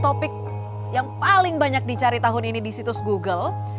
topik yang paling banyak dicari tahun ini di situs google